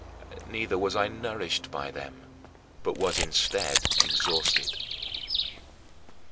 Neither was I nourished by them, but was instead exhausted.